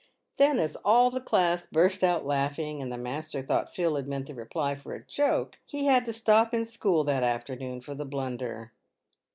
Then as all the class burst out laughing, and the master thought Phil had meant the reply for a joke, he had to stop in school that afternoon for the blunder.